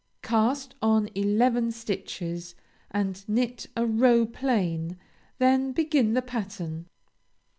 Cast on eleven stitches and knit a row plain, then begin the pattern.